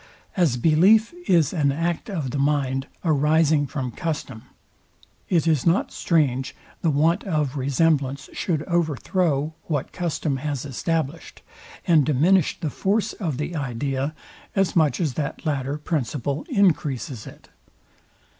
As belief is an act of the mind arising from custom, it is not strange the want of resemblance should overthrow what custom has established, and diminish the force of the idea, as much as that latter principle encreases it.